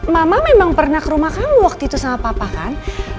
mama memang pernah ke rumah kamu waktu itu sama papa kan